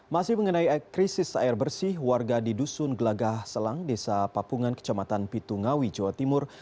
masih mengenai krisis air bersih warga di dusun gelagah selang desa papungan kecamatan pitungawi jawa timur